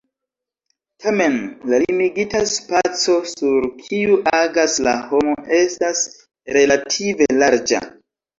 Tamen la limigita spaco, sur kiu agas la homo, estas relative larĝa.